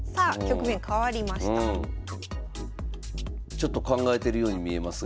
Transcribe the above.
ちょっと考えてるように見えますが。